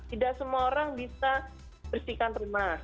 tidak semua orang bisa bersihkan rumah